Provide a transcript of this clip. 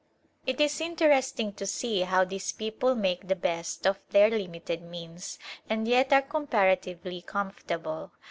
It is interesting to see how these people make the best of their limited means and yet are compara tively comfortable.